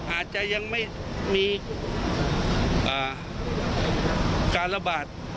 อาจจะยังไม่มีการระบาด